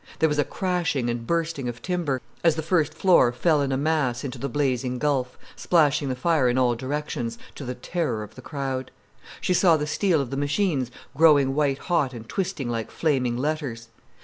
There was a crashing and bursting of timber, as the first floor fell in a mass into the blazing gulf, splashing the fire in all directions, to the terror of the crowd. She saw the steel of the machines growing white hot and twisting like flaming letters.